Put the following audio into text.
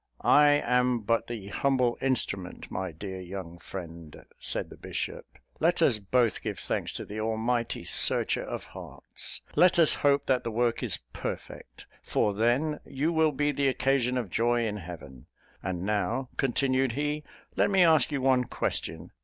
"I am but the humble instrument, my dear young friend," said the bishop; "let us both give thanks to the almighty Searcher of hearts. Let us hope that the work is perfect for then, you will be the occasion of 'joy in heaven.' And now," continued he, "let me ask you one question.